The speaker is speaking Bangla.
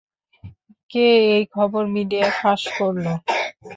কে এই খবর মিডিয়ায় ফাঁস করলো?